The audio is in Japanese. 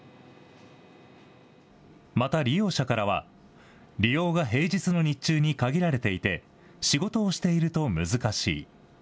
また利用者からは、利用が平日の日中に限られていて、仕事をしていると難しい。